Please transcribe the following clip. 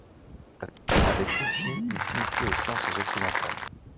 Avec Ricci il s'initie aux sciences occidentales.